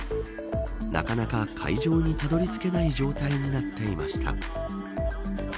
なかなか会場にたどり着けない状態になっていました。